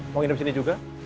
mau nginep sini juga